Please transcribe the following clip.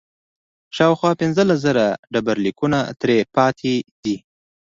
شاوخوا پنځلس زره ډبرلیکونه ترې پاتې دي